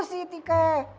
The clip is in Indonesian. lu sih tika